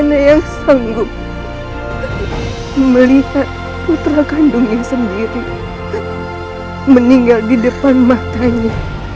mana yang sanggup melihat putra kandungnya sendiri meninggal di depan matanya